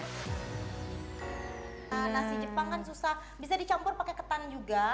nah nasi jepang kan susah bisa dicampur pakai ketan juga